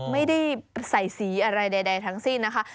ไม่ได้ใส่สีอะไรใดทั้งสิ้นนะคะ